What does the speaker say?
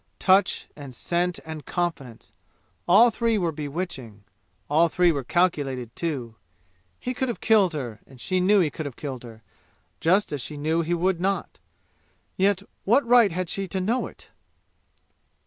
Touch and scent and confidence, all three were bewitching; all three were calculated, too! He could have killed her, and she knew he could have killed her, just as she knew he would not. Yet what right had she to know it!